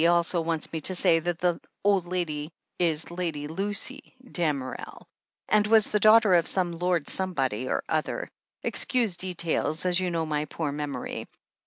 also wants me to say that the old lady is Lady Lacy Damerel, and was the daughter of some Lord Somebody or other — excuse details, as you know my poor memory.